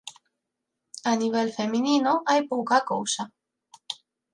A nivel feminino hai pouca cousa